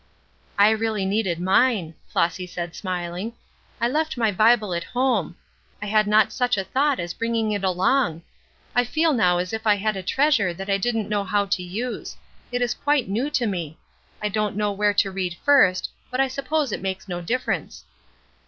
"I really needed mine," Flossy said, smiling. "I left my Bible at home. I had not such a thought as bringing it along. I feel now as if I had a treasure that I didn't know how to use. It is quite new to me. I don't know where to read first, but I suppose it makes no difference."